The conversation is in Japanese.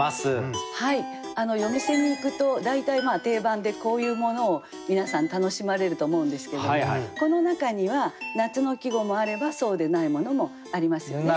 夜店に行くと大体定番でこういうものを皆さん楽しまれると思うんですけれどもこの中には夏の季語もあればそうでないものもありますよね。